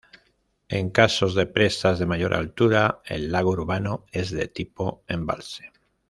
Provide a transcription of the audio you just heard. En casos de presas de mayor altura, el lago urbano es de tipo embalse.